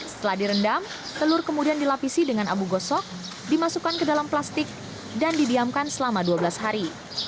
setelah direndam telur kemudian dilapisi dengan abu gosok dimasukkan ke dalam plastik dan didiamkan selama dua belas hari